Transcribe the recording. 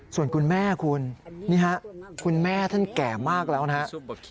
ส่วนคุณแม่คุณนี่ฮะคุณแม่ท่านแก่มากแล้วนะครับ